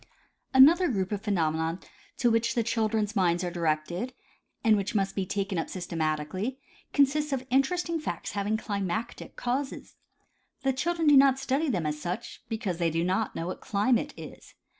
Another group of phenomena to which the children's minds Lessons in the Field. 145 are directed and which must be taken up systematically, consists of interesting facts having climatic causes. The children do not study them as such, because they do not know what climate is.